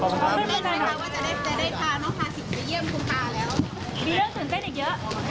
มีเรื่องตื่นเต้นอีกเยอะ